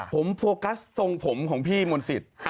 ผมโฟกัสทรงผมของพี่มนต์สิทธิ์